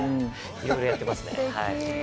いろいろやってますね。